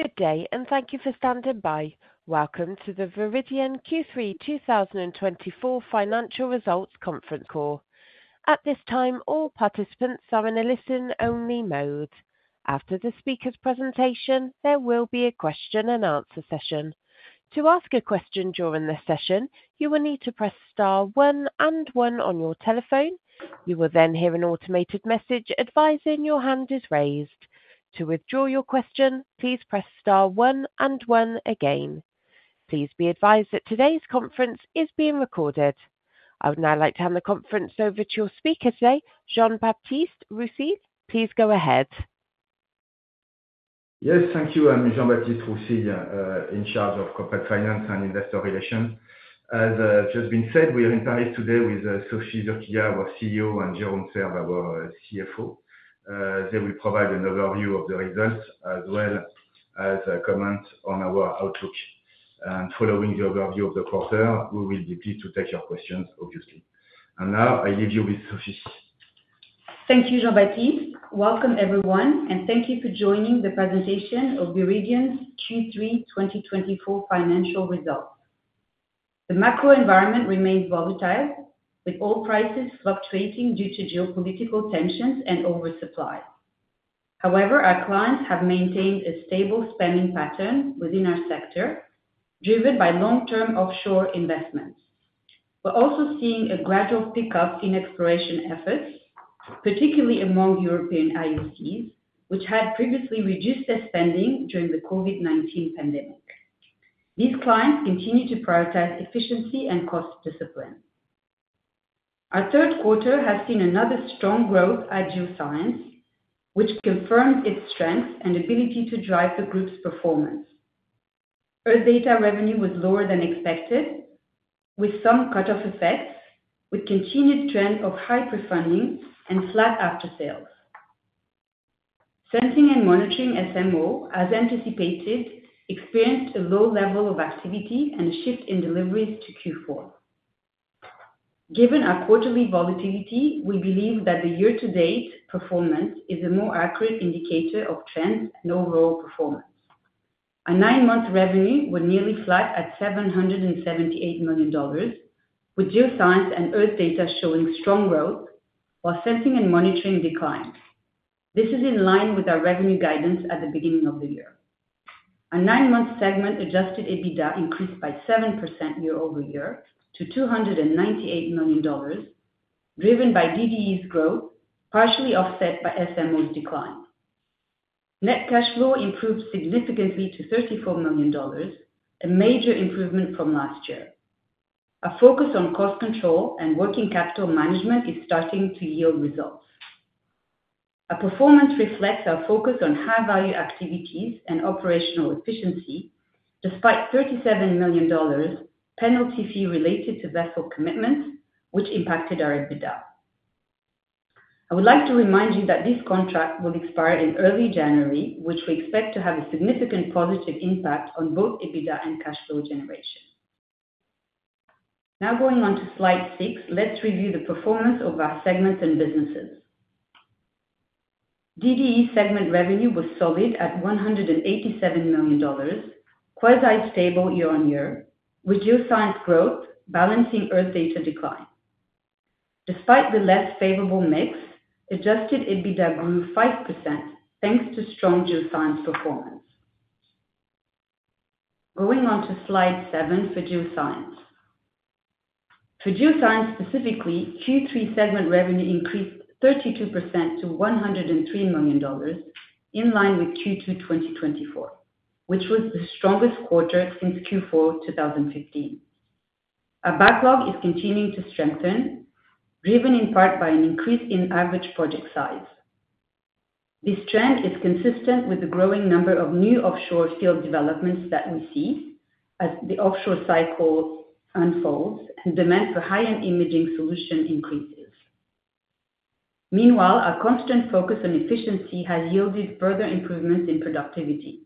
Have a good day, and thank you for standing by. Welcome to the Viridien Q3 2024 Financial Results Conference Call. At this time, all participants are in a listen-only mode. After the speaker's presentation, there will be a question-and-answer session. To ask a question during this session, you will need to press star one and one on your telephone. You will then hear an automated message advising your hand is raised. To withdraw your question, please press star one and one again. Please be advised that today's conference is being recorded. I would now like to hand the conference over to your speaker today, Jean-Baptiste Roussille. Please go ahead. Yes, thank you. I'm Jean-Baptiste Roussille, in charge of corporate finance and investor relations. As just been said, we are in Paris today with Sophie Zurquiyah, our CEO, and Jérôme Serve, our CFO. They will provide an overview of the results as well as comments on our outlook. And following the overview of the quarter, we will be pleased to take your questions, obviously. And now, I leave you with Sophie. Thank you, Jean-Baptiste. Welcome, everyone, and thank you for joining the presentation of Viridien's Q3 2024 financial results. The macro environment remains volatile, with oil prices fluctuating due to geopolitical tensions and oversupply. However, our clients have maintained a stable spending pattern within our sector, driven by long-term offshore investments. We're also seeing a gradual pickup in exploration efforts, particularly among European IOCs, which had previously reduced their spending during the COVID-19 pandemic. These clients continue to prioritize efficiency and cost discipline. Our third quarter has seen another strong growth at Geoscience, which confirms its strengths and ability to drive the group's performance. Earth Data revenue was lower than expected, with some cut-off effects, with a continued trend of pre-funding and flat after-sales. Sensing and Monitoring SMO, as anticipated, experienced a low level of activity and a shift in deliveries to Q4. Given our quarterly volatility, we believe that the year-to-date performance is a more accurate indicator of trends and overall performance. Our nine-month revenue was nearly flat at $778 million, with Geoscience and Earth Data showing strong growth, while Sensing and Monitoring declined. This is in line with our revenue guidance at the beginning of the year. Our nine-month segment-adjusted EBITDA increased by 7% year-over-year to $298 million, driven by DDE's growth, partially offset by SMO's decline. Net cash flow improved significantly to $34 million, a major improvement from last year. Our focus on cost control and working capital management is starting to yield results. Our performance reflects our focus on high-value activities and operational efficiency, despite $37 million penalty fee related to vessel commitments, which impacted our EBITDA. I would like to remind you that this contract will expire in early January, which we expect to have a significant positive impact on both EBITDA and cash flow generation. Now, going on to slide 6, let's review the performance of our segments and businesses. Group revenue was solid at $187 million, quasi-stable year-on-year, with GeoScience growth balancing Earth Data decline. Despite the less favorable mix, adjusted EBITDA grew 5% thanks to strong GeoScience performance. Going on to slide 7 for GeoScience. For GeoScience specifically, Q3 segment revenue increased 32% to $103 million, in line with Q2 2024, which was the strongest quarter since Q4 2015. Our backlog is continuing to strengthen, driven in part by an increase in average project size. This trend is consistent with the growing number of new offshore field developments that we see as the offshore cycle unfolds and demand for high-end imaging solutions increases. Meanwhile, our constant focus on efficiency has yielded further improvements in productivity.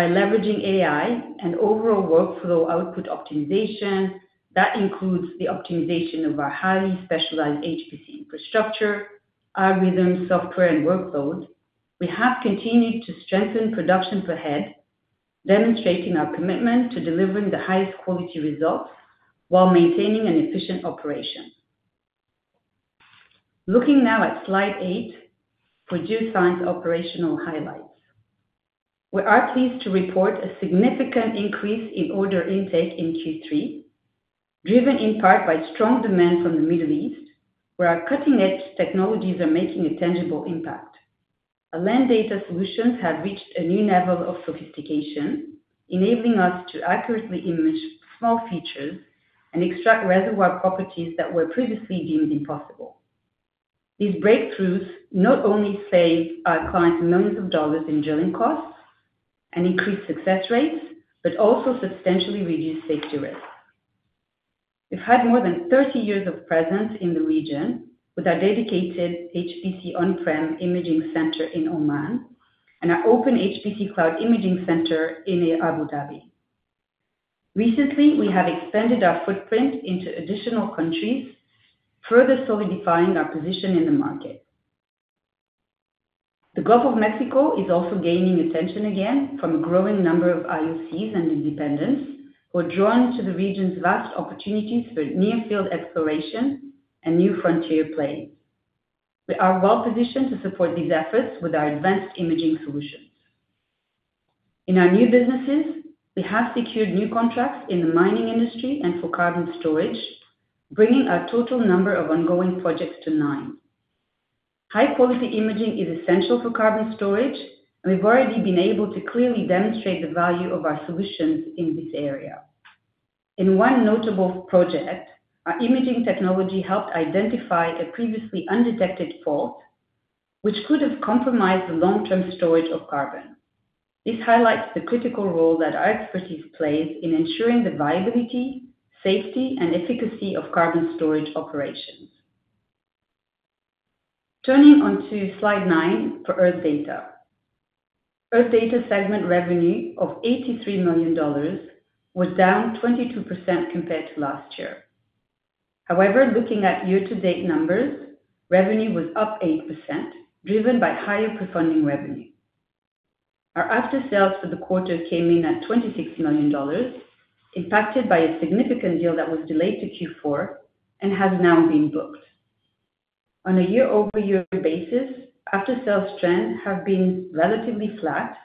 By leveraging AI and overall workflow output optimization, that includes the optimization of our highly specialized HPC infrastructure, algorithms, software, and workloads, we have continued to strengthen production per head, demonstrating our commitment to delivering the highest quality results while maintaining an efficient operation. Looking now at slide 8 for GeoScience operational highlights, we are pleased to report a significant increase in order intake in Q3, driven in part by strong demand from the Middle East, where our cutting-edge technologies are making a tangible impact. Our land data solutions have reached a new level of sophistication, enabling us to accurately image small features and extract reservoir properties that were previously deemed impossible. These breakthroughs not only save our clients millions of dollars in drilling costs and increase success rates, but also substantially reduce safety risks. We've had more than 30 years of presence in the region with our dedicated HPC on-prem imaging center in Oman and our open HPC cloud imaging center in Abu Dhabi. Recently, we have expanded our footprint into additional countries, further solidifying our position in the market. The Gulf of Mexico is also gaining attention again from a growing number of IOCs and independents who are drawn to the region's vast opportunities for near-field exploration and new frontier plays. We are well-positioned to support these efforts with our advanced imaging solutions. In our new businesses, we have secured new contracts in the mining industry and for carbon storage, bringing our total number of ongoing projects to 9. High-quality imaging is essential for carbon storage, and we've already been able to clearly demonstrate the value of our solutions in this area. In one notable project, our imaging technology helped identify a previously undetected fault, which could have compromised the long-term storage of carbon. This highlights the critical role that our expertise plays in ensuring the viability, safety, and efficacy of carbon storage operations. Turning to slide 9 for Earth Data. Earth Data segment revenue of $83 million was down 22% compared to last year. However, looking at year-to-date numbers, revenue was up 8%, driven by higher pre-funding revenue. Our after-sales for the quarter came in at $26 million, impacted by a significant deal that was delayed to Q4 and has now been booked. On a year-over-year basis, after-sales trends have been relatively flat,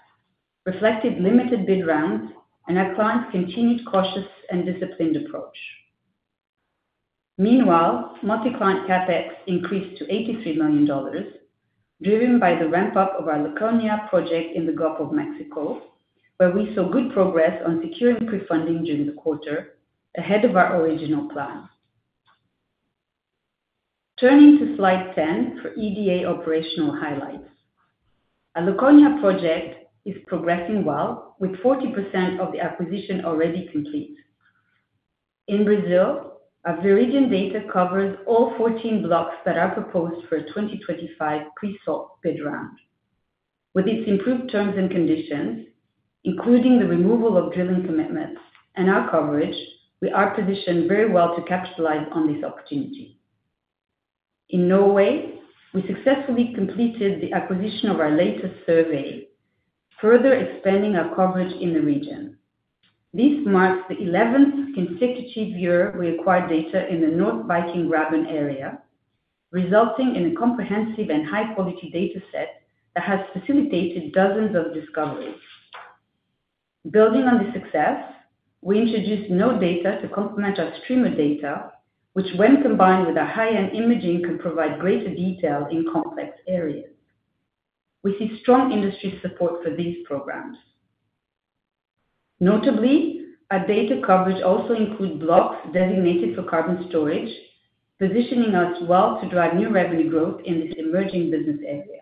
reflecting limited bid rounds, and our clients' continued cautious and disciplined approach. Meanwhile, multi-client CapEx increased to $83 million, driven by the ramp-up of our Laconia project in the Gulf of Mexico, where we saw good progress on securing pre-funding during the quarter ahead of our original plan. Turning to slide 10 for EDA operational highlights, our Laconia project is progressing well, with 40% of the acquisition already complete. In Brazil, our Viridien data covers all 14 blocks that are proposed for a 2025 pre-salt bid round. With its improved terms and conditions, including the removal of drilling commitments and our coverage, we are positioned very well to capitalize on this opportunity. In Norway, we successfully completed the acquisition of our latest survey, further expanding our coverage in the region. This marks the 11th consecutive year we acquired data in the North Viking Graben area, resulting in a comprehensive and high-quality data set that has facilitated dozens of discoveries. Building on this success, we introduced node data to complement our streamer data, which, when combined with our high-end imaging, can provide greater detail in complex areas. We see strong industry support for these programs. Notably, our data coverage also includes blocks designated for carbon storage, positioning us well to drive new revenue growth in this emerging business area.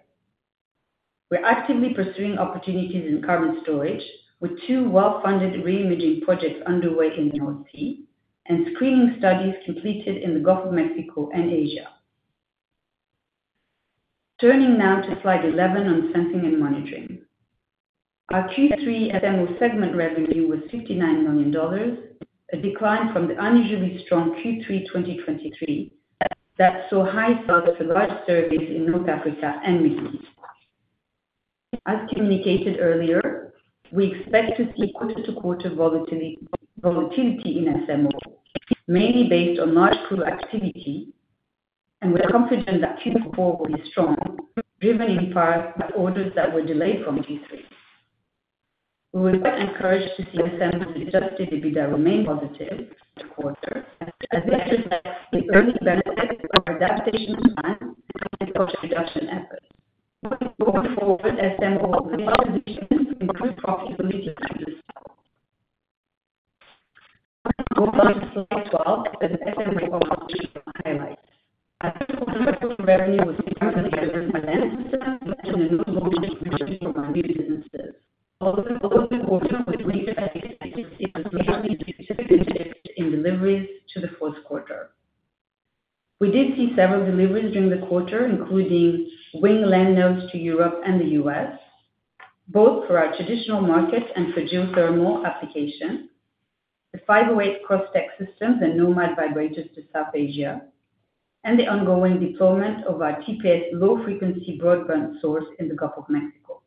We're actively pursuing opportunities in carbon storage, with 2 well-funded reimaging projects underway in the North Sea and screening studies completed in the Gulf of Mexico and Asia. Turning now to slide 11 on sensing and monitoring. Our Q3 SMO segment revenue was $59 million, a decline from the unusually strong Q3 2023 that saw high sales for large surveys in North Africa and the Middle East. As communicated earlier, we expect to see quarter-to-quarter volatility in SMO, mainly based on large crew activity, and we're confident that Q4 will be strong, driven in part by orders that were delayed from Q3. We were quite encouraged to see SMO's adjusted EBITDA remain positive this quarter, as we expect the early benefits of adaptation plan and cost reduction efforts. Going forward, SMO's recommendations include profitability at this level. Moving on to slide 12, SMO's outlook highlights. Our fourth quarter revenue was $711 million for land systems and a notable increase for marine businesses. Although the quarter was really fast, it received a significant impact in deliveries to the fourth quarter. We did see several deliveries during the quarter, including WiNG land nodes to Europe and the U.S., both for our traditional market and for geothermal application, the 508XT systems and Nomad vibrators to South Asia, and the ongoing deployment of our TPS low-frequency broadband source in the Gulf of Mexico.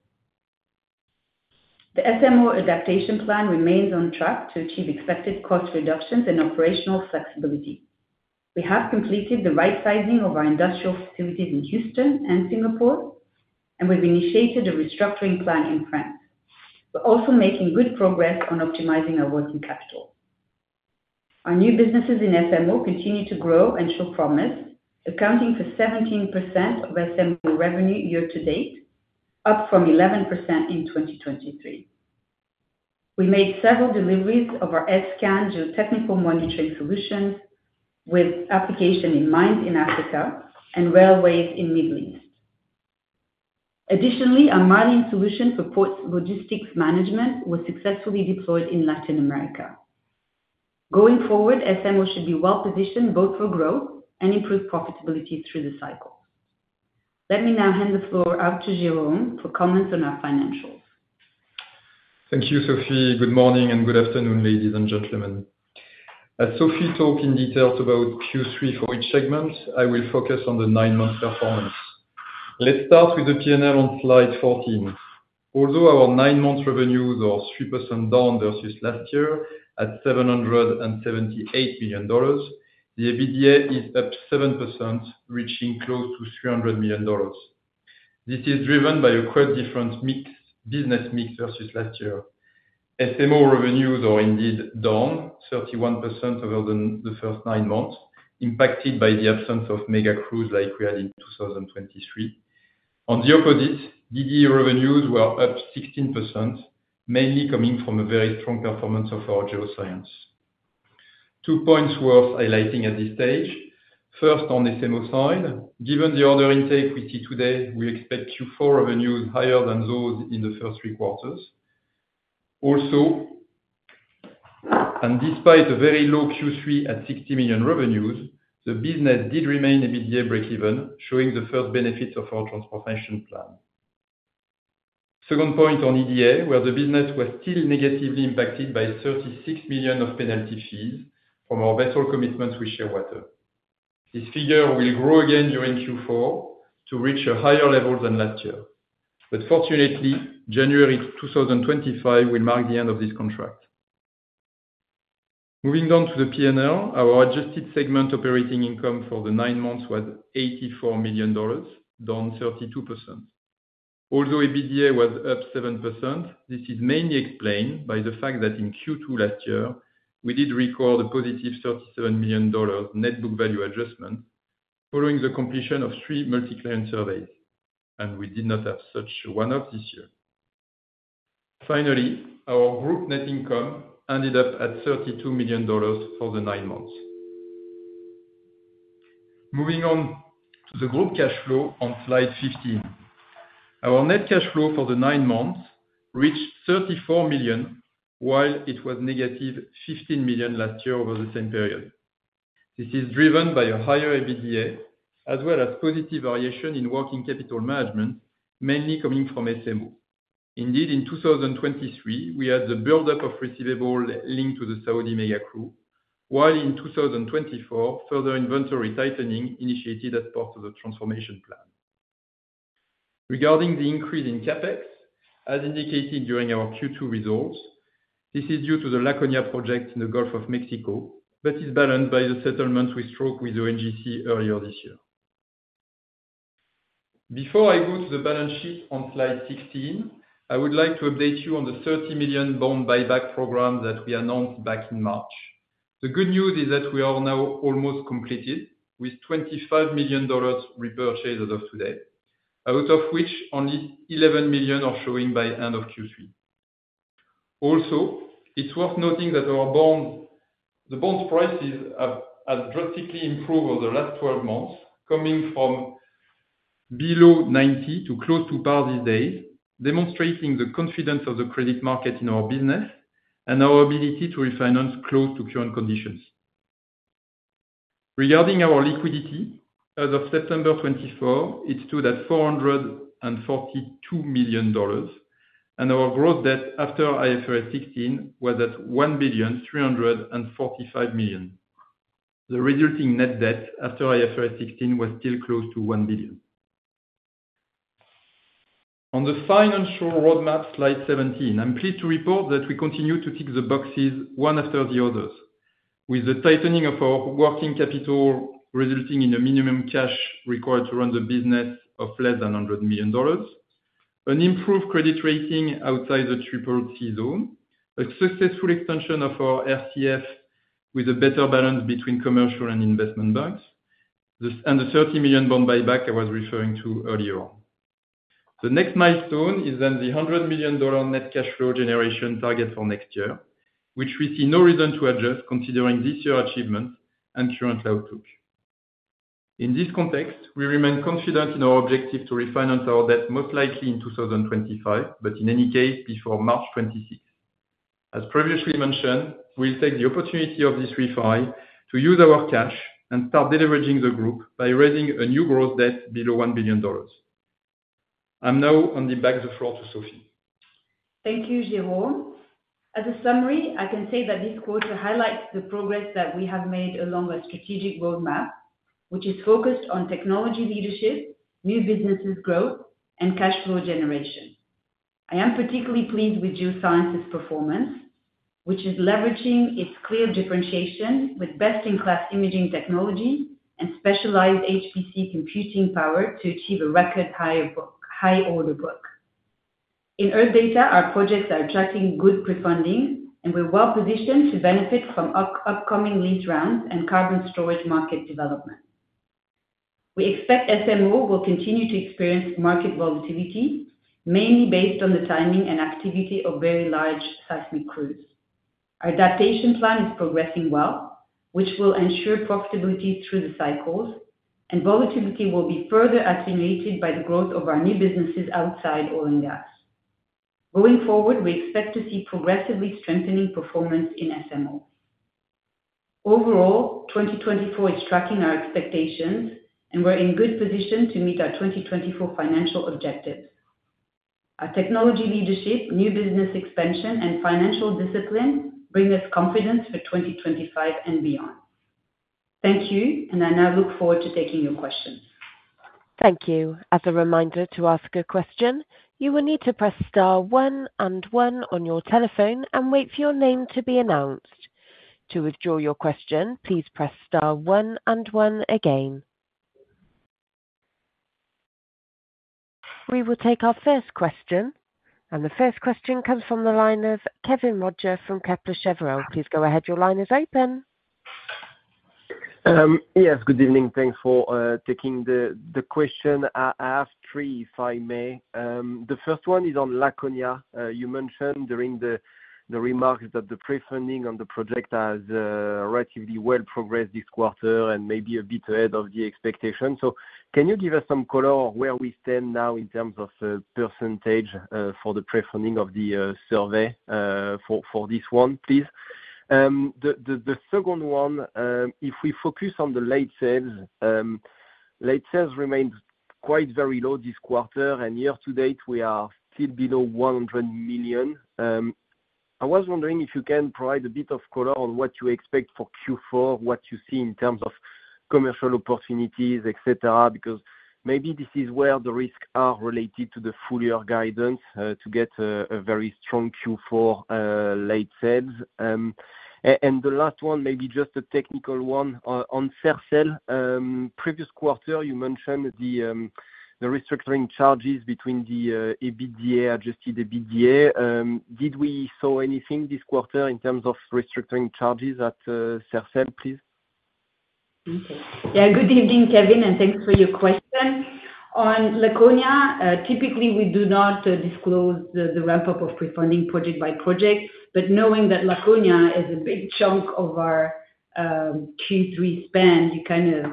The SMO adaptation plan remains on track to achieve expected cost reductions and operational flexibility. We have completed the right-sizing of our industrial facilities in Houston and Singapore, and we've initiated a restructuring plan in France. We're also making good progress on optimizing our working capital. Our new businesses in SMO continue to grow and show promise, accounting for 17% of SMO revenue year-to-date, up from 11% in 2023. We made several deliveries of our S-scan geotechnical monitoring solutions with application in mines in Africa and railways in the Middle East. Additionally, our marine solution for ports logistics management was successfully deployed in Latin America. Going forward, SMO should be well-positioned both for growth and improved profitability through the cycle. Let me now hand the floor out to Jérôme for comments on our financials. Thank you, Sophie. Good morning and good afternoon, ladies and gentlemen. As Sophie talked in detail about Q3 for each segment, I will focus on the nine-month performance. Let's start with the P&L on slide 14. Although our nine-month revenues are 3% down versus last year at $778 million, the EBITDA is up 7%, reaching close to $300 million. This is driven by a quite different business mix versus last year. SMO revenues are indeed down, 31% over the first 9 months, impacted by the absence of mega crews like we had in 2023. On the opposite, EDA revenues were up 16%, mainly coming from a very strong performance of our GeoScience. Two points worth highlighting at this stage. First, on the SMO side, given the order intake we see today, we expect Q4 revenues higher than those in the first 3 quarters. Also, and despite a very low Q3 at $60 million revenues, the business did remain EBITDA break-even, showing the first benefits of our transformation plan. Second point on EDA, where the business was still negatively impacted by $36 million of penalty fees from our vessel commitments with Shearwater. This figure will grow again during Q4 to reach higher levels than last year. But fortunately, January 2025 will mark the end of this contract. Moving on to the P&L, our adjusted segment operating income for the 9 months was $84 million, down 32%. Although EBITDA was up 7%, this is mainly explained by the fact that in Q2 last year, we did record a positive $37 million net book value adjustment following the completion of 3 multi-client surveys, and we did not have such one-off this year. Finally, our group net income ended up at $32 million for the 9 months. Moving on to the group cash flow on slide 15. Our net cash flow for the 9 months reached $34 million, while it was negative $15 million last year over the same period. This is driven by a higher EBITDA, as well as positive variation in working capital management, mainly coming from SMO. Indeed, in 2023, we had the build-up of receivables linked to the Saudi mega crew, while in 2024, further inventory tightening initiated as part of the transformation plan. Regarding the increase in CapEx, as indicated during our Q2 results, this is due to the Laconia project in the Gulf of Mexico, but is balanced by the settlement we struck with ONGC earlier this year. Before I go to the balance sheet on slide 16, I would like to update you on the $30 million bond buyback program that we announced back in March. The good news is that we are now almost completed with $25 million repurchased as of today, out of which only $11 million are showing by the end of Q3. Also, it's worth noting that our bonds' prices have drastically improved over the last 12 months, coming from below $90 to close to par these days, demonstrating the confidence of the credit market in our business and our ability to refinance close to current conditions. Regarding our liquidity, as of September 24, it stood at $442 million, and our gross debt after IFRS 16 was at $1,345 million. The resulting net debt after IFRS 16 was still close to $1 billion. On the financial roadmap slide 17, I'm pleased to report that we continue to tick the boxes one after the others, with the tightening of our working capital resulting in a minimum cash required to run the business of less than $100 million, an improved credit rating outside the triple C zone, a successful extension of our RCF with a better balance between commercial and investment banks, and the $30 million bond buyback I was referring to earlier. The next milestone is then the $100 million net cash flow generation target for next year, which we see no reason to adjust considering this year's achievements and current outlook. In this context, we remain confident in our objective to refinance our debt most likely in 2025, but in any case, before March 26. As previously mentioned, we'll take the opportunity of this refinance to use our cash and start leveraging the group by raising a new gross debt below $1 billion. I'm now handing the floor back to Sophie. Thank you, Jérôme. As a summary, I can say that this quarter highlights the progress that we have made along our strategic roadmap, which is focused on technology leadership, new businesses' growth, and cash flow generation. I am particularly pleased with GeoScience's performance, which is leveraging its clear differentiation with best-in-class imaging technology and specialized HPC computing power to achieve a record high order book. In Earth Data, our projects are attracting good pre-funding, and we're well-positioned to benefit from upcoming lease rounds and carbon storage market development. We expect SMO will continue to experience market volatility, mainly based on the timing and activity of very large seismic crews. Our adaptation plan is progressing well, which will ensure profitability through the cycles, and volatility will be further attributed by the growth of our new businesses outside oil and gas. Going forward, we expect to see progressively strengthening performance in SMO. Overall, 2024 is tracking our expectations, and we're in good position to meet our 2024 financial objectives. Our technology leadership, new business expansion, and financial discipline bring us confidence for 2025 and beyond. Thank you, and I now look forward to taking your questions. Thank you. As a reminder to ask a question, you will need to press star one and one on your telephone and wait for your name to be announced. To withdraw your question, please press star one and one again. We will take our first question, and the first question comes from the line of Kevin Roger from Kepler Cheuvreux. Please go ahead. Your line is open. Yes, good evening. Thanks for taking the question. I have 3, if I may. The first one is on Laconia. You mentioned during the remarks that the pre-funding on the project has relatively well progressed this quarter and maybe a bit ahead of the expectations. So can you give us some color of where we stand now in terms of percentage for the pre-funding of the survey for this one, please? The second one, if we focus on the after-sales, after-sales remained quite very low this quarter, and year-to-date, we are still below $100 million. I was wondering if you can provide a bit of color on what you expect for Q4, what you see in terms of commercial opportunities, etc., because maybe this is where the risks are related to the full year guidance to get a very strong Q4 late sales. And the last one, maybe just a technical one on Sercel. Previous quarter, you mentioned the restructuring charges between the EBITDA adjusted EBITDA. Did we saw anything this quarter in terms of restructuring charges at Sercel, please? Okay. Yeah, good evening, Kevin, and thanks for your question. On Laconia, typically, we do not disclose the ramp-up of pre-funding project by project, but knowing that Laconia is a big chunk of our Q3 spend, you kind of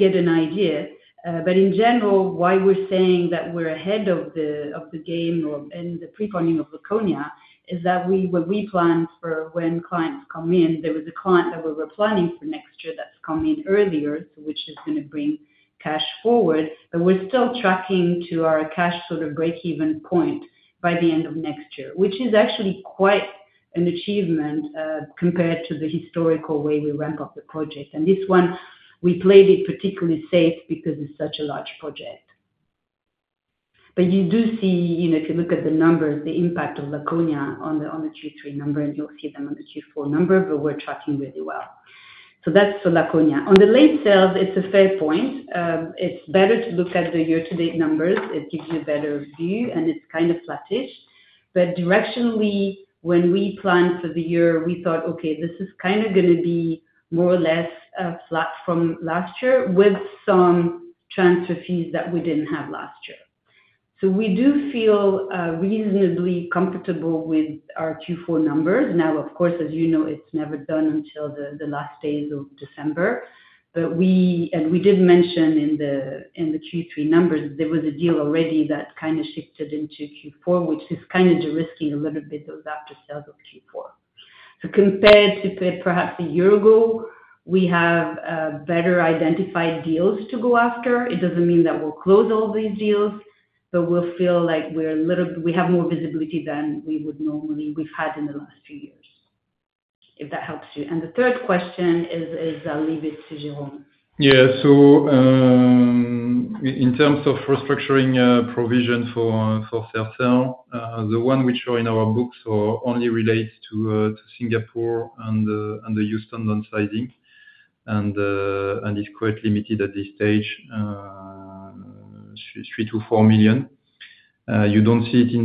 get an idea. But in general, why we're saying that we're ahead of the game and the pre-funding of Laconia is that when we plan for when clients come in, there was a client that we were planning for next year that's coming earlier, which is going to bring cash forward, but we're still tracking to our cash sort of break-even point by the end of next year, which is actually quite an achievement compared to the historical way we ramp up the project. And this one, we played it particularly safe because it's such a large project. But you do see, if you look at the numbers, the impact of Laconia on the Q3 number, and you'll see them on the Q4 number, but we're tracking really well. So that's for Laconia. On the after-sales, it's a fair point. It's better to look at the year-to-date numbers. It gives you a better view, and it's kind of flattish. But directionally, when we planned for the year, we thought, "Okay, this is kind of going to be more or less flat from last year with some transfer fees that we didn't have last year." So we do feel reasonably comfortable with our Q4 numbers. Now, of course, as you know, it's never done until the last days of December. And we did mention in the Q3 numbers there was a deal already that kind of shifted into Q4, which is kind of de-risking a little bit those after-sales of Q4. So compared to perhaps a year ago, we have better identified deals to go after. It doesn't mean that we'll close all these deals, but we'll feel like we have more visibility than we would normally have had in the last few years, if that helps you. And the third question is I'll leave it to Jérôme. Yeah. So in terms of restructuring provisions for Sercel, the one which are in our books only relates to Singapore and the EU staff resizing, and it's quite limited at this stage, $3-$4 million. You don't see it in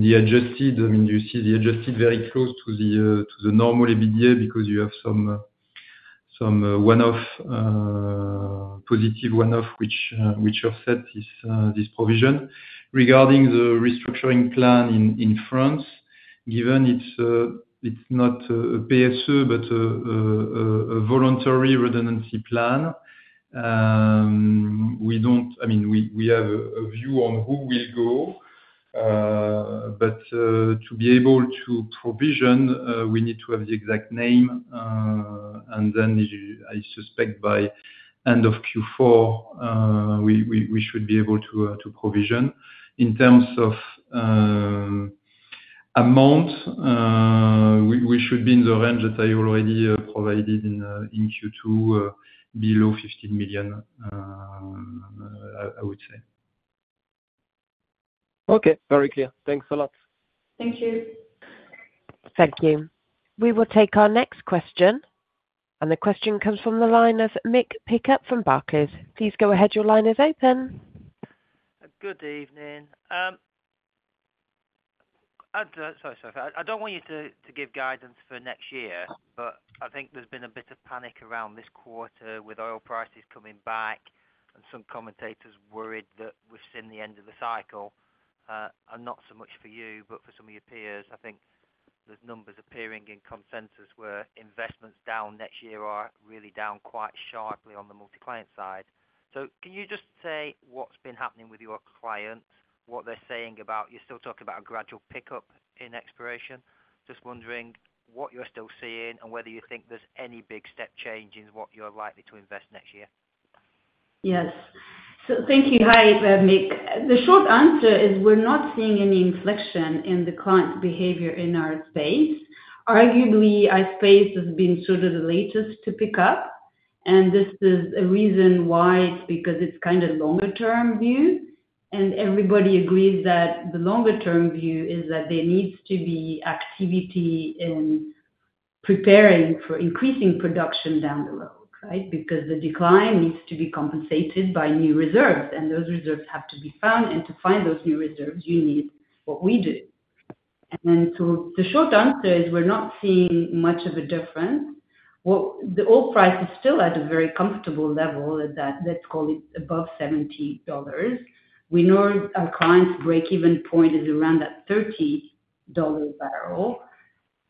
the adjusted. I mean, you see the adjusted very close to the normal EBITDA because you have some positive one-off which are set this provision. Regarding the restructuring plan in France, given it's not a PSE but a voluntary redundancy plan, we don't, I mean, we have a view on who will go, but to be able to provision, we need to have the exact name, and then I suspect by end of Q4, we should be able to provision. In terms of amount, we should be in the range that I already provided in Q2, below $15 million, I would say. Okay. Very clear. Thanks a lot. Thank you. Thank you. We will take our next question. The question comes from the line of Mick Pickup from Barclays. Please go ahead. Your line is open. Good evening. Sorry, Sophie. I don't want you to give guidance for next year, but I think there's been a bit of panic around this quarter with oil prices coming back and some commentators worried that we've seen the end of the cycle, and not so much for you, but for some of your peers. I think there's numbers appearing in consensus where investments down next year are really down quite sharply on the multi-client side. So can you just say what's been happening with your clients, what they're saying about you're still talking about a gradual pickup in exploration? Just wondering what you're still seeing and whether you think there's any big step change in what you're likely to invest next year. Yes. So thank you. Hi, Mick. The short answer is we're not seeing any inflection in the client behavior in our space. Arguably, our space has been sort of the latest to pick up, and this is a reason why it's because it's kind of longer-term view, and everybody agrees that the longer-term view is that there needs to be activity in preparing for increasing production down the road, right? Because the decline needs to be compensated by new reserves, and those reserves have to be found, and to find those new reserves, you need what we do. The short answer is we're not seeing much of a difference. The oil price is still at a very comfortable level that's called above $70. We know our client's break-even point is around that $30 barrel,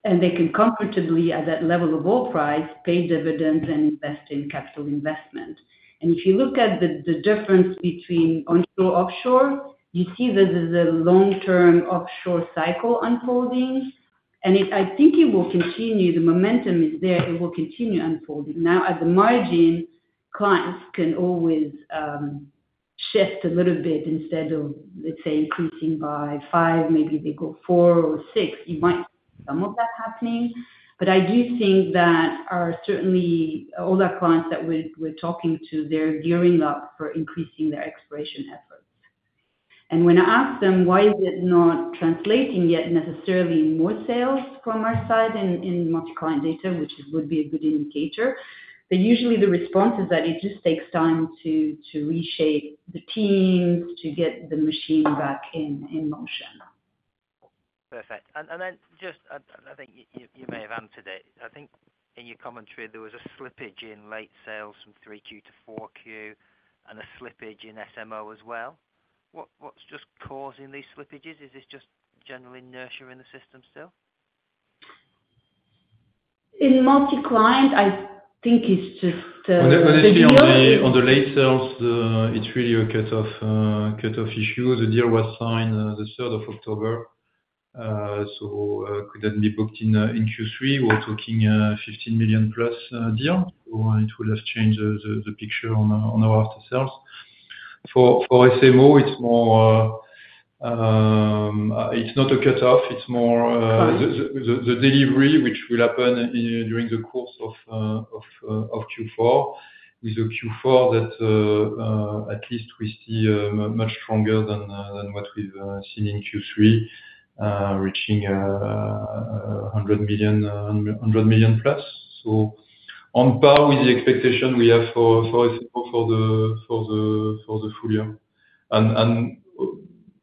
and they can comfortably at that level of oil price pay dividends and invest in capital investment. If you look at the difference between onshore and offshore, you see there's a long-term offshore cycle unfolding, and I think it will continue. The momentum is there. It will continue unfolding. Now, at the margin, clients can always shift a little bit instead of, let's say, increasing by 5. Maybe they go 4 or 6. You might see some of that happening, but I do think that certainly all our clients that we're talking to, they're gearing up for increasing their exploration efforts. And when I ask them, "Why is it not translating yet necessarily more sales from our side in multi-client data?" which would be a good indicator, but usually the response is that it just takes time to reshape the teams to get the machine back in motion. Perfect. And then just I think you may have answered it. I think in your commentary, there was a slippage in after-sales from 3Q to 4Q and a slippage in SMO as well. What's just causing these slippages? Is this just generally nurturing the system still? In multi-client, I think it's just the deal. On the after-sales, it's really a cut-off issue. The deal was signed the 3rd of October, so it couldn't be booked in Q3. We're talking a $15 million-plus deal, so it would have changed the picture on our after-sales. For SMO, it's not a cut-off. It's more the delivery, which will happen during the course of Q4. With Q4, at least we see much stronger than what we've seen in Q3, reaching $100 million-plus. So on par with the expectation we have for SMO for the full year.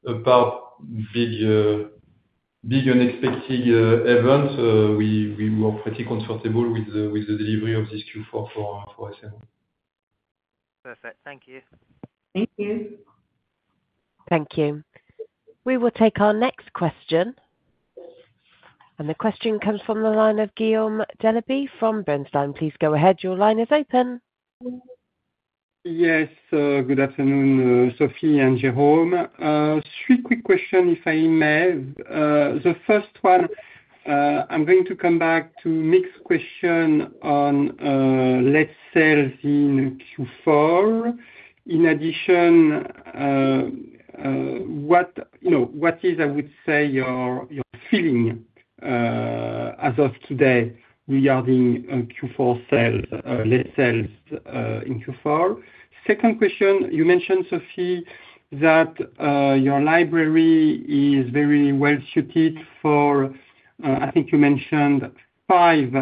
And apart from big unexpected events, we were pretty comfortable with the delivery of this Q4 for SMO. Perfect. Thank you. Thank you. Thank you. We will take our next question. And the question comes from the line of Guillaume Delaby from Bernstein. Please go ahead. Your line is open. Yes. Good afternoon, Sophie and Jérôme. 3 quick questions, if I may. The first one, I'm going to come back to Mick's question on late sales in Q4. In addition, what is, I would say, your feeling as of today regarding Q4 sales in Q4? Second question, you mentioned, Sophie, that your library is very well suited for, I think you mentioned, 5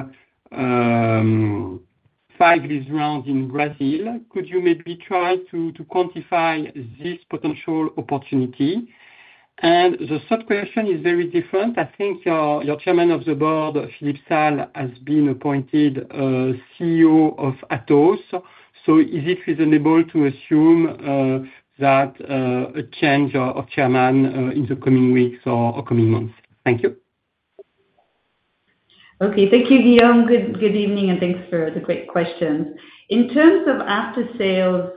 lease rounds in Brazil. Could you maybe try to quantify this potential opportunity? And the third question is very different. I think your chairman of the board, Philippe Salle, has been appointed CEO of Atos. So is it reasonable to assume that a change of chairman in the coming weeks or coming months? Thank you. Okay. Thank you, Guillaume. Good evening, and thanks for the great questions. In terms of after-sales,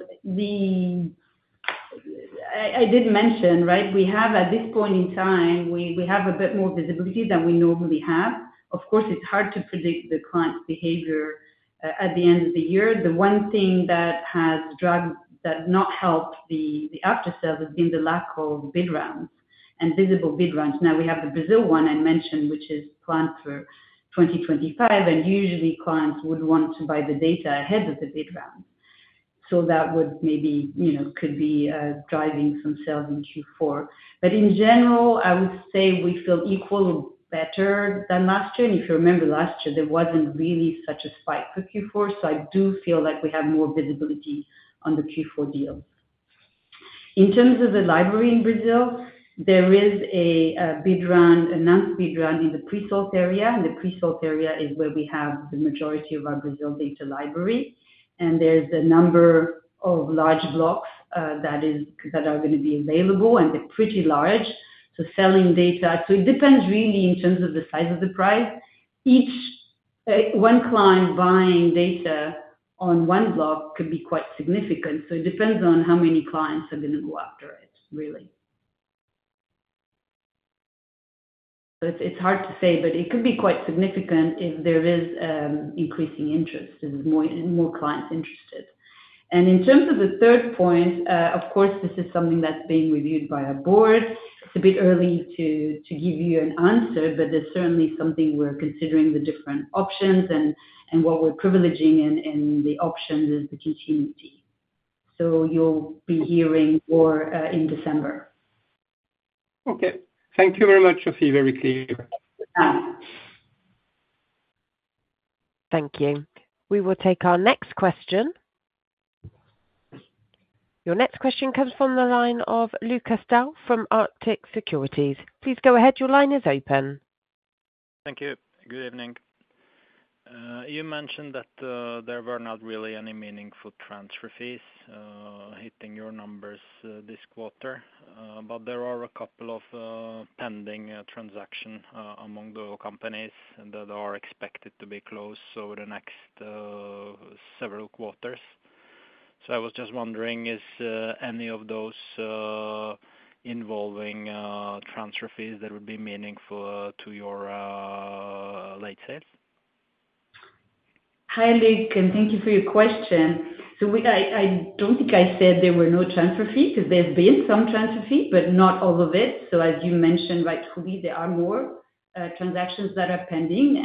I did mention, right, we have at this point in time, we have a bit more visibility than we normally have. Of course, it's hard to predict the client's behavior at the end of the year. The one thing that has not helped the after-sales has been the lack of bid rounds and visible bid rounds. Now, we have the Brazil one I mentioned, which is planned for 2025, and usually, clients would want to buy the data ahead of the bid round. So that maybe could be driving some sales in Q4. But in general, I would say we feel equally better than last year. And if you remember, last year, there wasn't really such a spike for Q4, so I do feel like we have more visibility on the Q4 deals. In terms of the library in Brazil, there is an announced bid round in the pre-salt area. And the pre-salt area is where we have the majority of our Brazil data library, and there's a number of large blocks that are going to be available, and they're pretty large. So selling data actually depends really in terms of the size of the price. One client buying data on one block could be quite significant. So it depends on how many clients are going to go after it, really. It's hard to say, but it could be quite significant if there is increasing interest, if more clients are interested. And in terms of the third point, of course, this is something that's being reviewed by our board. It's a bit early to give you an answer, but it's certainly something we're considering the different options, and what we're privileging in the options is the continuity. So you'll be hearing more in December. Okay. Thank you very much, Sophie. Very clear. Thank you. We will take our next question. Your next question comes from the line of Lukas Daul from Arctic Securities. Please go ahead. Your line is open. Thank you. Good evening. You mentioned that there were not really any meaningful transfer fees hitting your numbers this quarter, but there are a couple of pending transactions among the companies that are expected to be closed over the next several quarters. So I was just wondering, are any of those involving transfer fees that would be meaningful to your after-sales? Hi, Lukas. Thank you for your question. So I don't think I said there were no transfer fees because there's been some transfer fees, but not all of it. So as you mentioned, rightfully, there are more transactions that are pending,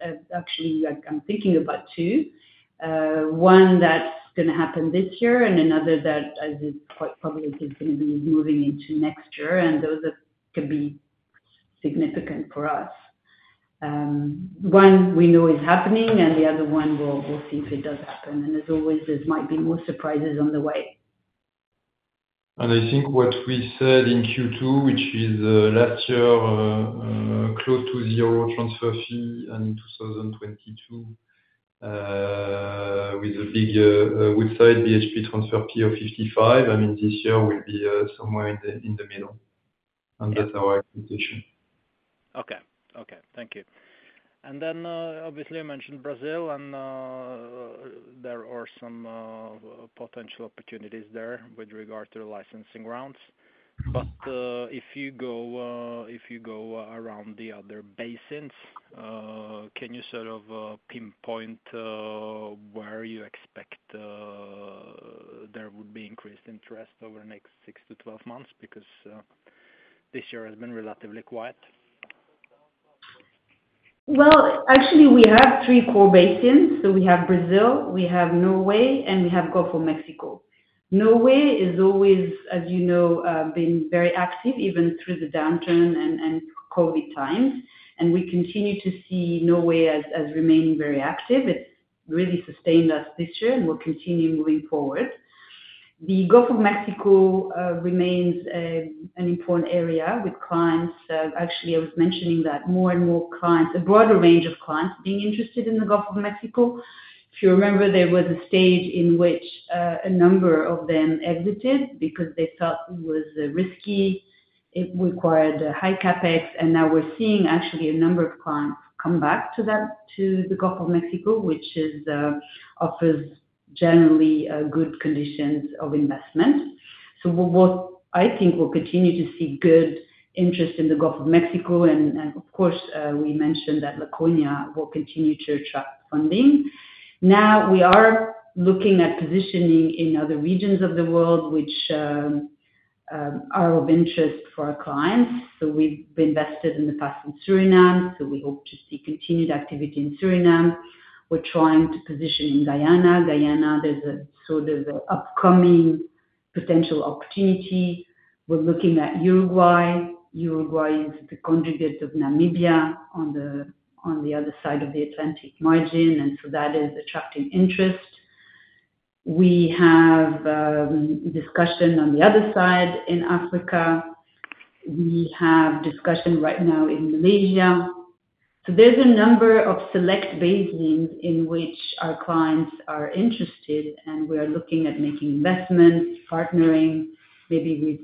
and actually, I'm thinking about two. One that's going to happen this year and another that, as it probably is going to be, is moving into next year, and those could be significant for us. One we know is happening, and the other one we'll see if it does happen. And as always, there might be more surprises on the way. And I think what we said in Q2, which is last year close to zero transfer fees and in 2022 with a bigger outside BHP transfer fee of 55, I mean, this year will be somewhere in the middle. And that's our expectation. Okay. Okay. Thank you. And then, obviously, you mentioned Brazil, and there are some potential opportunities there with regard to the licensing rounds. But if you go around the other basins, can you sort of pinpoint where you expect there would be increased interest over the next 6-12 months because this year has been relatively quiet? Well, actually, we have 3 core basins. So we have Brazil, we have Norway, and we have Gulf of Mexico. Norway has always, as you know, been very active even through the downturn and COVID times, and we continue to see Norway as remaining very active. It's really sustained us this year, and we'll continue moving forward. The Gulf of Mexico remains an important area with clients. Actually, I was mentioning that more and more clients, a broader range of clients, are being interested in the Gulf of Mexico. If you remember, there was a stage in which a number of them exited because they felt it was risky. It required high CapEx, and now we're seeing actually a number of clients come back to the Gulf of Mexico, which offers generally good conditions of investment. So I think we'll continue to see good interest in the Gulf of Mexico, and of course, we mentioned that Laconia will continue to attract funding. Now, we are looking at positioning in other regions of the world which are of interest for our clients. So we've invested in the past in Suriname, so we hope to see continued activity in Suriname. We're trying to position in Guyana. Guyana, there's a sort of upcoming potential opportunity. We're looking at Uruguay. Uruguay is the conjugate of Namibia on the other side of the Atlantic margin, and so that is attracting interest. We have discussion on the other side in Africa. We have discussion right now in Malaysia. So there's a number of select basins in which our clients are interested, and we are looking at making investments, partnering maybe with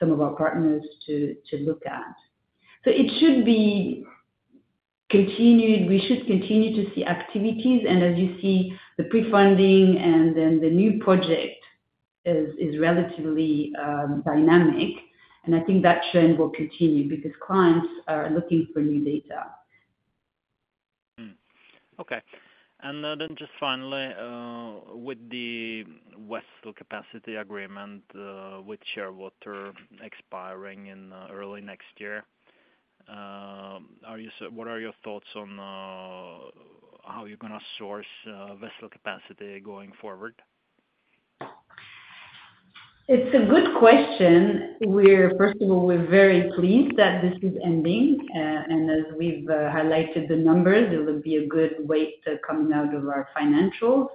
some of our partners to look at. So it should be continued. We should continue to see activities, and as you see, the pre-funding and then the new project is relatively dynamic, and I think that trend will continue because clients are looking for new data. Okay. And then just finally, with the vessel capacity agreement with Shearwater expiring in early next year, what are your thoughts on how you're going to source vessel capacity going forward? It's a good question. First of all, we're very pleased that this is ending, and as we've highlighted the numbers, it will be a good weight coming out of our financials.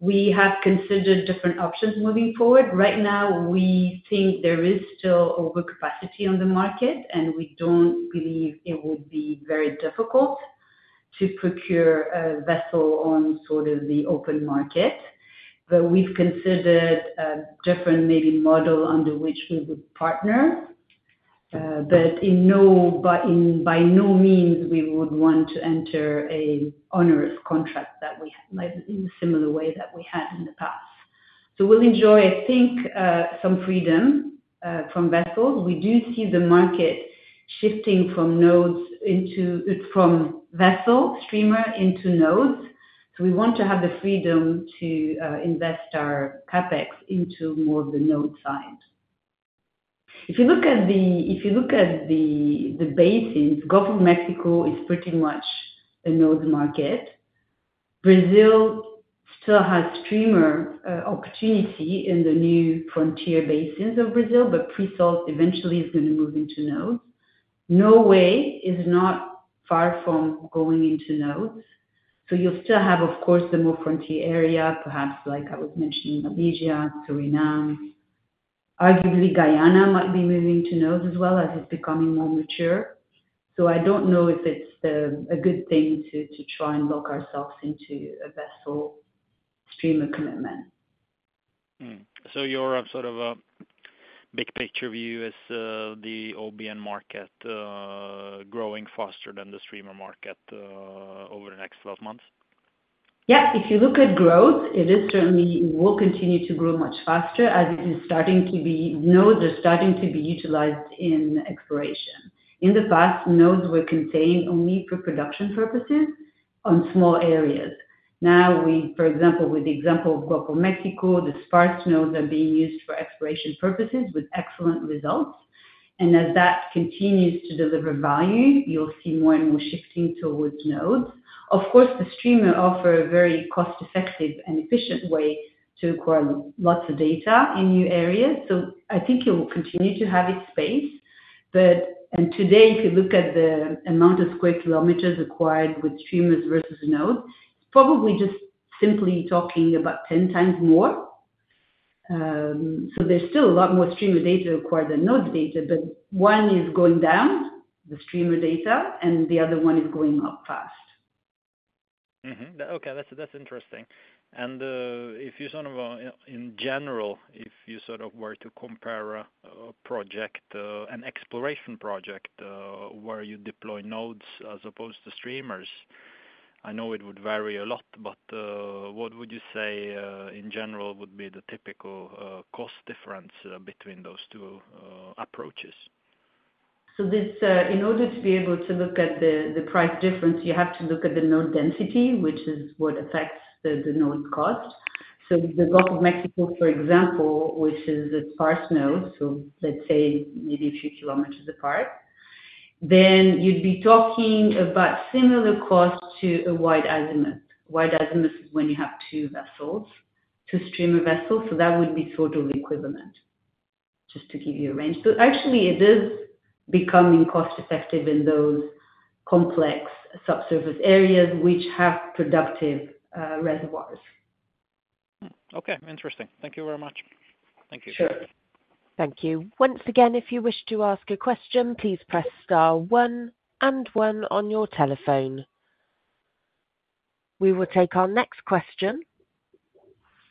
We have considered different options moving forward. Right now, we think there is still overcapacity on the market, and we don't believe it would be very difficult to procure a vessel on sort of the open market. But we've considered a different maybe model under which we would partner, but by no means would we want to enter an onerous contract that we had in a similar way that we had in the past. So we'll enjoy, I think, some freedom from vessels. We do see the market shifting from vessel streamer into nodes, so we want to have the freedom to invest our CapEx into more of the node side. If you look at the basins, Gulf of Mexico is pretty much a node market. Brazil still has streamer opportunity in the new frontier basins of Brazil, but pre-salt eventually is going to move into nodes. Norway is not far from going into nodes. So you'll still have, of course, the more frontier area, perhaps like I was mentioning, Malaysia, Suriname. Arguably, Guyana might be moving to nodes as well as it's becoming more mature. So I don't know if it's a good thing to try and lock ourselves into a vessel streamer commitment. So your sort of big picture view is the OBN market growing faster than the streamer market over the next 12 months? Yep. If you look at growth, it certainly will continue to grow much faster as nodes are starting to be utilized in exploration. In the past, nodes were contained only for production purposes on small areas. Now, for example, with the example of Gulf of Mexico, the sparse nodes are being used for exploration purposes with excellent results. And as that continues to deliver value, you'll see more and more shifting towards nodes. Of course, the streamer offers a very cost-effective and efficient way to acquire lots of data in new areas. So I think it will continue to have its space. And today, if you look at the amount of square kilometers acquired with streamers versus nodes, it's probably just simply talking about 10 times more. So there's still a lot more streamer data acquired than node data, but one is going down, the streamer data, and the other one is going up fast. Okay. That's interesting. And if you sort of in general, if you sort of were to compare an exploration project where you deploy nodes as opposed to streamers, I know it would vary a lot, but what would you say in general would be the typical cost difference between those 2 approaches? So in order to be able to look at the price difference, you have to look at the node density, which is what affects the node cost. So the Gulf of Mexico, for example, which is a sparse node, so let's say maybe a few kilometers apart, then you'd be talking about similar costs to a wide azimuth. Wide azimuth is when you have 2 vessels to stream a vessel, so that would be sort of equivalent, just to give you a range. But actually, it is becoming cost-effective in those complex subsurface areas which have productive reservoirs. Okay. Interesting. Thank you very much. Thank you. Sure. Thank you. Once again, if you wish to ask a question, please press star one and one on your telephone. We will take our next question.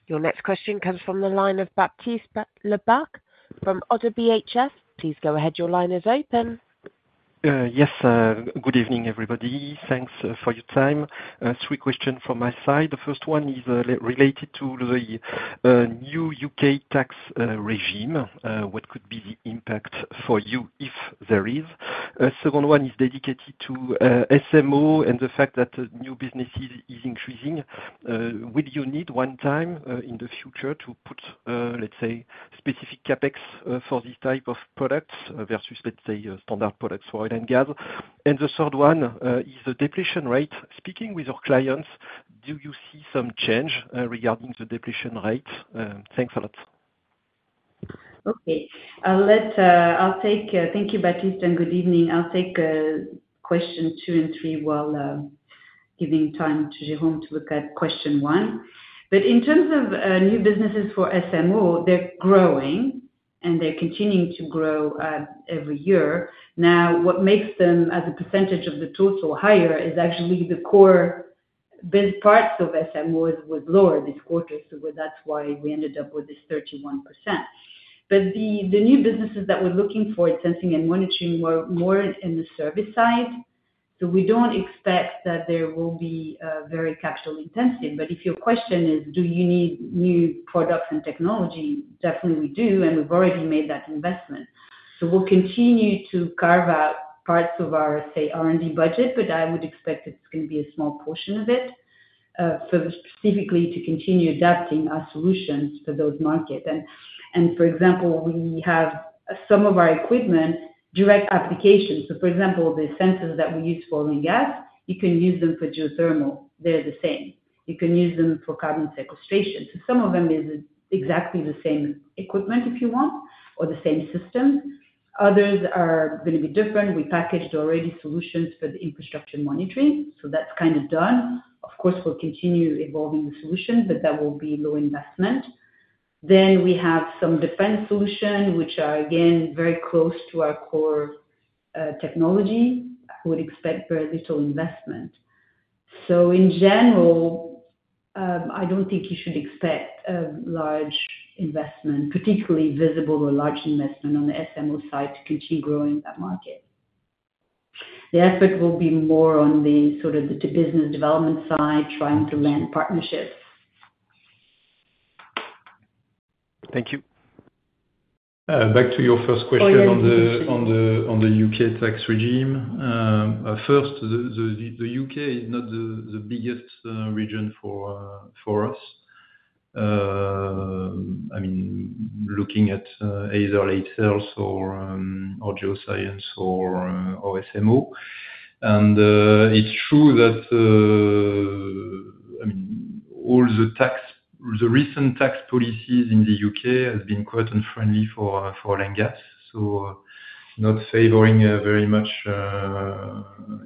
Your next question comes from the line of Baptiste Lebacq from Oddo BHF. Please go ahead. Your line is open. Yes. Good evening, everybody. Thanks for your time, 3 questions from my side. The first one is related to the new U.K. tax regime. What could be the impact for you, if there is? The second one is dedicated to SMO and the fact that new businesses are increasing. Will you need one time in the future to put, let's say, specific CapEx for this type of products versus, let's say, standard products for oil and gas? And the third one is the depletion rate. Speaking with your clients, do you see some change regarding the depletion rate? Thanks a lot. Okay. Thank you, Baptiste, and good evening. I'll take question 2 and 3 while giving time to Jérôme Serve to look at question one. But in terms of new businesses for SMO, they're growing, and they're continuing to grow every year. Now, what makes them as a percentage of the total higher is actually the core parts of SMOs were lower this quarter, so that's why we ended up with this 31%. But the new businesses that we're looking forward to sensing and monitoring were more in the service side, so we don't expect that there will be very capital-intensive. But if your question is, "Do you need new products and technology?" Definitely, we do, and we've already made that investment. So we'll continue to carve out parts of our, say, R&D budget, but I would expect it's going to be a small portion of it specifically to continue adapting our solutions for those markets. And for example, we have some of our equipment direct applications. So for example, the sensors that we use for oil and gas, you can use them for geothermal. They're the same. You can use them for carbon sequestration. So some of them is exactly the same equipment if you want or the same system. Others are going to be different. We packaged already solutions for the infrastructure monitoring, so that's kind of done. Of course, we'll continue evolving the solution, but that will be low investment. Then we have some defense solutions, which are, again, very close to our core technology. I would expect very little investment. So in general, I don't think you should expect a large investment, particularly visible or large investment on the SMO side to continue growing that market. The effort will be more on the sort of the business development side, trying to land partnerships. Thank you. Back to your first question on the U.K. tax regime. First, the U.K. is not the biggest region for us. I mean, looking at either after-sales or GeoScience or SMO. And it's true that, I mean, all the recent tax policies in the U.K. have been quite unfriendly for oil and gas, so not favoring very much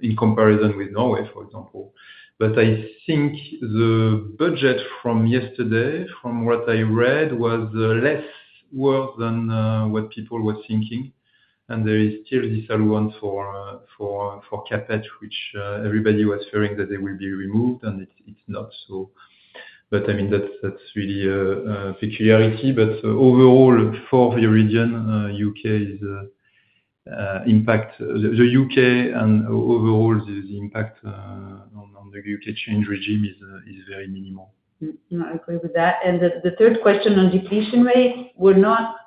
in comparison with Norway, for example. But I think the budget from yesterday, from what I read, was less worse than what people were thinking. And there is still this allowance for CapEx, which everybody was fearing that they will be removed, and it's not. But I mean, that's really a peculiarity. But overall, for the region, U.K. impacts the U.K. and overall, the impact on the U.K. tax regime is very minimal. I agree with that. And the third question on depletion rate, we're not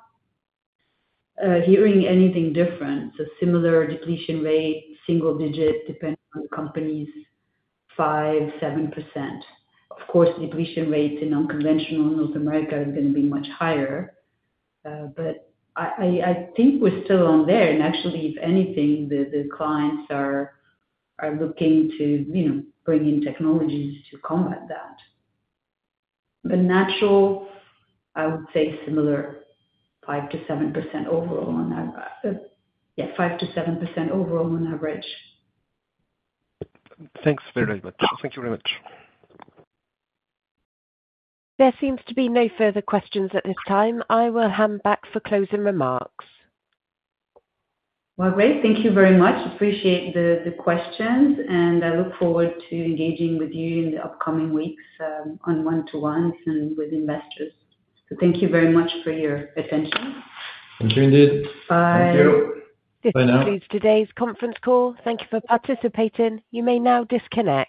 hearing anything different. So similar depletion rate, single digit, depending on the companies, 5%-7%. Of course, depletion rate in non-conventional North America is going to be much higher, but I think we're still on there. And actually, if anything, the clients are looking to bring in technologies to combat that. But natural, I would say similar 5%-7% overall on average. Yeah, 5%-7% overall on average. Thanks very much. Thank you very much. There seems to be no further questions at this time. I will hand back for closing remarks. Well, great. Thank you very much. Appreciate the questions, and I look forward to engaging with you in the upcoming weeks on one-to-ones and with investors. So thank you very much for your attention. Thank you, indeed. Bye. Thank you. Bye now. This concludes today's conference call. Thank you for participating. You may now disconnect.